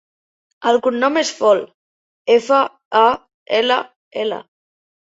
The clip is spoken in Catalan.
El cognom és Fall: efa, a, ela, ela.